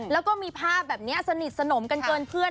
แล้วก็มีภาพแบบนี้สนิทสนมกันเกินเพื่อน